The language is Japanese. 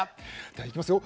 ではいきますよ。